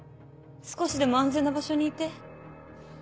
少しでも安全な場所にいて。